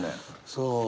そう。